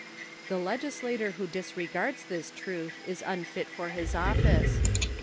The legislator who disregards this truth is unfit for his office.